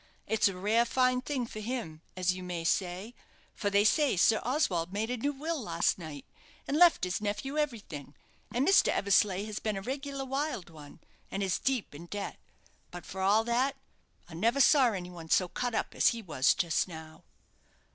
It's a rare fine thing for him, as you may say; for they say Sir Oswald made a new will last night, and left his nephew everything; and Mr. Eversleigh has been a regular wild one, and is deep in debt. But, for all that, I never saw any one so cut up as he was just now."